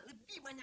ini dia uangnya